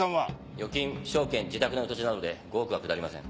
預金証券自宅の土地などで５億はくだりません。